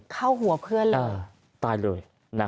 คร่าวหัวเพื่อนตายเลย